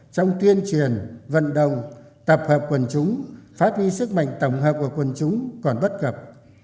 trong tuyên truyền vận động tập hợp quần chúng phát huy sức mạnh tổng hợp của quần chúng còn bất cập